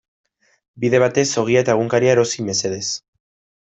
Bide batez ogia eta egunkaria erosi mesedez.